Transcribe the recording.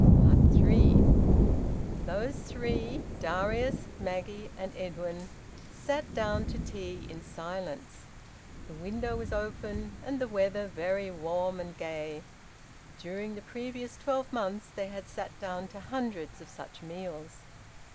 THREE. Those three Darius, Maggie, and Edwin sat down to tea in silence. The window was open, and the weather very warm and gay. During the previous twelve months they had sat down to hundreds of such meals.